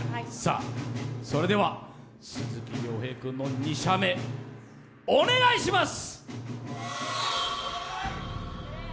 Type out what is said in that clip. それでは鈴木亮平君の２射目、お願いします！